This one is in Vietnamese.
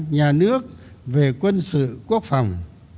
nhà nước về quân sự quốc phòng